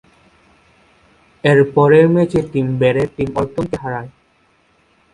এর পরের ম্যাচে টিম ব্যারেট টিম অরটন কে হারায়।